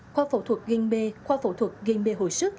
khoa phẫu thuật game bay khoa phẫu thuật game bay hồi sức